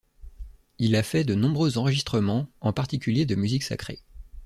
Il a fait de nombreux enregistrements, en particulier de musique sacrée.